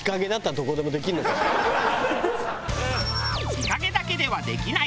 日陰だけではできない。